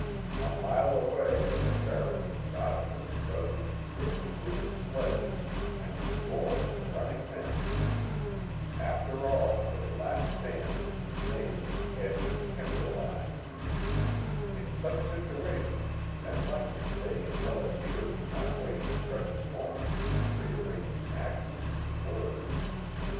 A mile away the Barren was dotted with a dozen swiftly moving sledges and a score of running men! After all, their last stand was to be made at the edge of the timber line! In such situations men like MacVeigh and Pelliter do not waste precious moments in prearranging actions in words.